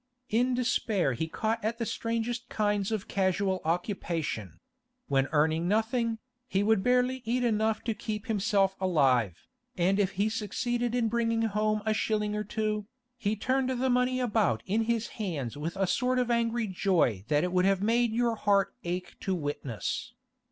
In despair he caught at the strangest kinds of casual occupation; when earning nothing, he would barely eat enough to keep himself alive, and if he succeeded in bringing home a shilling or two, he turned the money about in his hands with a sort of angry joy that it would have made your heart ache to witness.